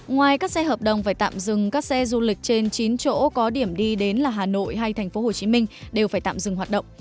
ngoài các xe hợp đồng phải tạm dừng các xe du lịch trên chín chỗ có điểm đi đến là hà nội hay tp hcm đều phải tạm dừng hoạt động